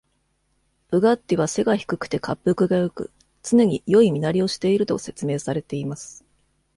ブガッティは背が低くて恰幅がよく、常に良い身なりをしていると説明されています。